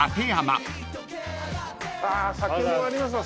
酒もありますわ